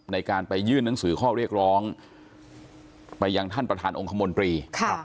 ในการไปยื่นหนังสือข้อเรียกร้องไปยังท่านประธานองค์คมนตรี